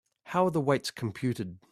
How are the weights computed?